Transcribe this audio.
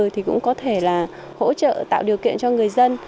thì cũng có thể là hỗ trợ tạo điều kiện cho người dân